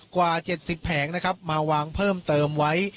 กว่า๗๐แผงนะครับมาวางเพิ่มเติมไว้